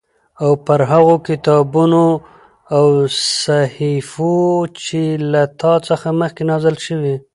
او پر هغو کتابونو او صحيفو چې له تا څخه مخکې نازل شوي